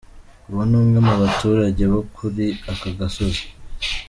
, uwo ni umwe mu baturage bo kuri aka gasozi.